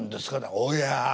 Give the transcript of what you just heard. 「おや」。